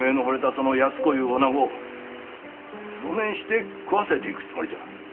その安子いうおなごをどねんして食わせていくつもりじゃ。